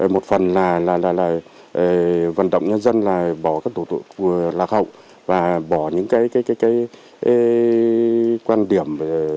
một phần là vận động nhân dân là bỏ các thủ tục lạc hậu và bỏ những quan điểm